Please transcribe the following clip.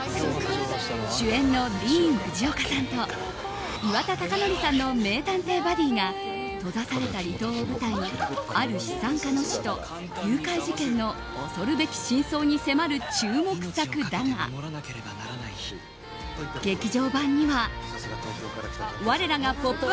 主演のディーン・フジオカさんと岩田剛典さんの名探偵バディが閉ざされた離島を舞台にある資産家の死と誘拐事件の恐るべき真相に迫る注目作だが劇場版には我らが「ポップＵＰ！」